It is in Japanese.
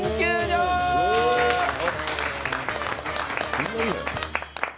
すごいね。